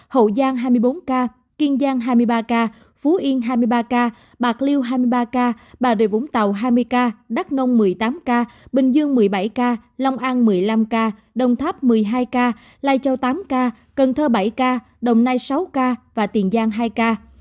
hậu giang hai mươi bốn ca kiên giang hai mươi ba ca phú yên hai mươi ba ca bạc liêu hai mươi ba ca bà rịa vũng tàu hai mươi ca đắk nông một mươi tám ca bình dương một mươi bảy ca long an một mươi năm ca đồng tháp một mươi hai ca lai châu tám ca cần thơ bảy ca đồng nai sáu ca và tiền giang hai ca